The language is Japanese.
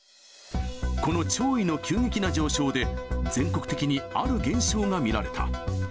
この潮位の急激な上昇で、全国的にある現象が見られた。